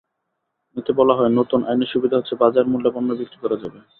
এতে বলা হয়, নতুন আইনের সুবিধা হচ্ছে বাজারমূল্যে পণ্য বিক্রি করা যাবে।